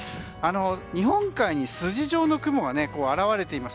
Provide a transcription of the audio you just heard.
日本海に筋状の雲が現れています。